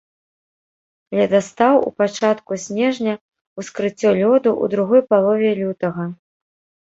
Ледастаў у пачатку снежня, ускрыццё лёду ў другой палове лютага.